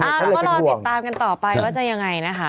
แล้วก็รอติดตามกันต่อไปว่าจะยังไงนะคะ